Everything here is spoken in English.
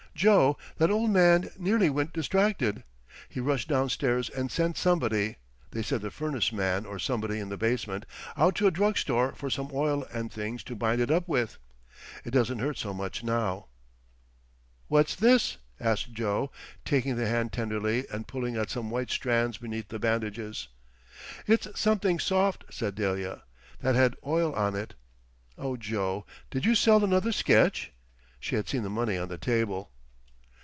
—Joe, that old man nearly went distracted. He rushed downstairs and sent somebody—they said the furnace man or somebody in the basement—out to a drug store for some oil and things to bind it up with. It doesn't hurt so much now." "What's this?" asked Joe, taking the hand tenderly and pulling at some white strands beneath the bandages. "It's something soft," said Delia, "that had oil on it. Oh, Joe, did you sell another sketch?" She had seen the money on the table.